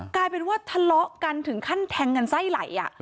กลายเป็นว่าทะเลาะกันถึงขั้นแทงกันไส้ไหล